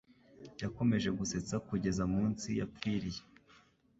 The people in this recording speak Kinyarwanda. Yakomeje gusetsa kugeza umunsi yapfiriye.